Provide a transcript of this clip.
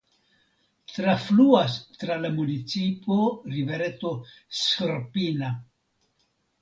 Trafluas tra la municipo rivereto Srpina.